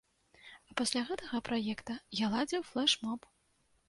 А пасля гэтага праекта я ладзіў флэш-моб.